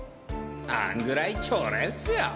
あんぐらいちょれっスよ！